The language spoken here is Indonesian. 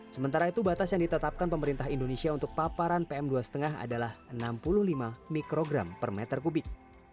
sementara itu batas yang ditetapkan pemerintah indonesia untuk paparan pm dua lima adalah enam puluh lima mikrogram per meter kubik